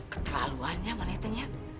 keterlaluannya mereka ya